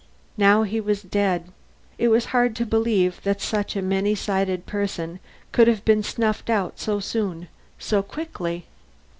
Now he was dead. It was hard to believe that such a many sided person could have been snuffed out so soon, so quickly.